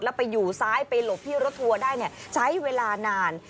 แล้วไปอยู่ซ้ายไปหลบที่รถทัวร์ได้ใช้เวลานาน